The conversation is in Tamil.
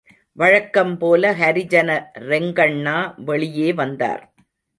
வழக்கம் போல ஹரிஜன ரெங்கண்ணா வெளியே வந்தார்.